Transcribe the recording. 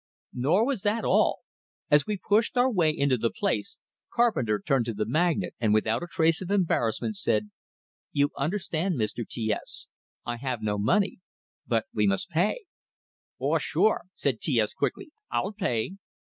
Nor was that all. As we pushed our way into the place, Carpenter turned to the magnate, and without a trace of embarrassment, said: "You understand, Mr. T S, I have no money. But we must pay " "Oh, sure!" said T S, quickly. "I'll pay!"